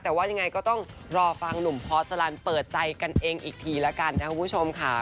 แต่ว่ายังไงก็ต้องรอฟังหนุ่มพอสลันเปิดใจกันเองอีกทีแล้วกันนะครับคุณผู้ชมค่ะ